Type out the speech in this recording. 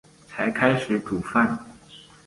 才开始煮饭